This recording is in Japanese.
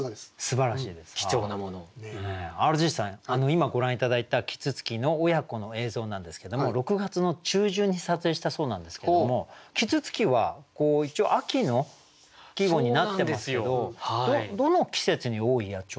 今ご覧頂いた啄木鳥の親子の映像なんですけども６月の中旬に撮影したそうなんですけども「啄木鳥」は一応秋の季語になってますけどどの季節に多い野鳥なんですか？